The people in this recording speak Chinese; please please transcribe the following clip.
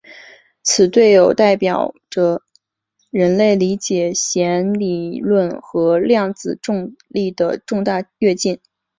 此对偶代表着人类理解弦理论和量子重力的重大跃进。